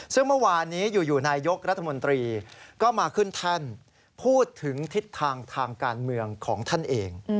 ซึ่งเมื่อวานนี้อยู่นายยกรัฐมนตรีก็มาขึ้นแท่นพูดถึงทิศทางทางการเมืองของท่านเอง